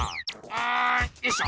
んよいしょ！